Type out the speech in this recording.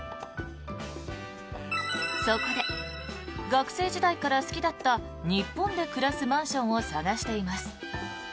そこで学生時代から好きだった日本で暮らすマンションを探しています。